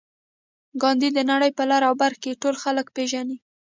ګاندي د نړۍ په لر او بر کې ټول خلک پېژني